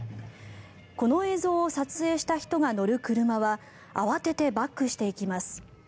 この映像を撮影した人が乗る車は慌ててバックしていきます。